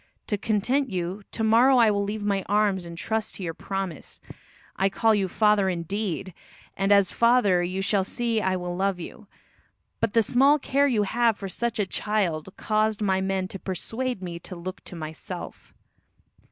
To content you, to morrow I will leave my arms and trust to your promise. I call you father indeed, and as a father you shall see I will love you; but the small care you have for such a child caused my men to persuade me to look to myself."